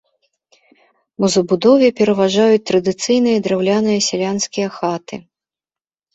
У забудове пераважаюць традыцыйныя драўляныя сялянскія хаты.